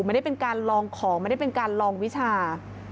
ไม่ได้เป็นการลองของไม่ได้เป็นการลองวิชา